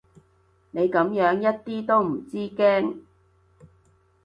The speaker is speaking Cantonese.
你噉樣一啲都唔知驚